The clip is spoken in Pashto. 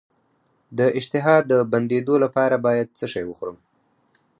د اشتها د بندیدو لپاره باید څه شی وخورم؟